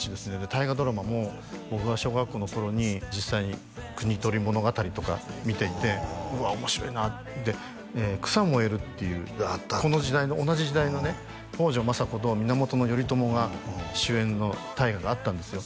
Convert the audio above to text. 大河ドラマも僕が小学校の頃に実際に「国盗り物語」とか見ていてうわ面白いなで「草燃える」っていうこの時代の同じ時代のね北条政子と源頼朝が主演の大河があったんですよ